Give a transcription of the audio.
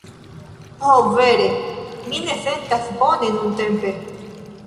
Oh... vere mi ne sentas bone nuntempe!